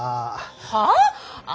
はあ？